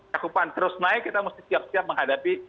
cakupan terus naik kita mesti siap siap menghadapi